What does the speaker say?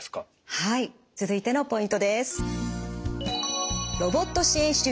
はい続いてのポイントです。